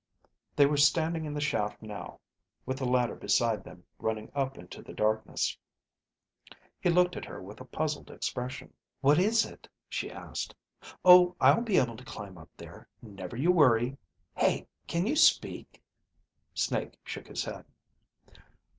They were standing in the shaft now, with the ladder beside them running up into the darkness. He looked at her with a puzzled expression. "What is it?" she asked. "Oh, I'll be able to climb up there, never you worry. Hey, can you speak?" Snake shook his head.